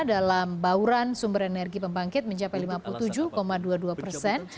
dalam bauran sumber energi pembangkit mencapai lima puluh tujuh dua puluh dua persen